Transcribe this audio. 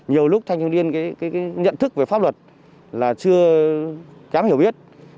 hồi lúc thanh thiếu liên nhận thức về pháp luật là chưa kém hiểu biết